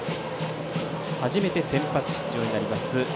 初めて先発出場になります